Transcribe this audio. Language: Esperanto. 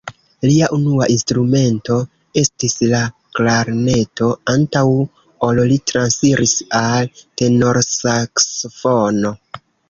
Lia unua instrumento estis la klarneto, antaŭ ol li transiris al tenorsaksofono.